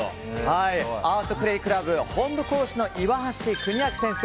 アートクレイ倶楽部本部講師の岩橋邦明先生